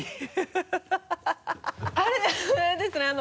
あれですねあの。